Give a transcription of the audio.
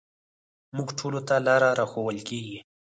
موږ ټولو ته لاره راښوول کېږي.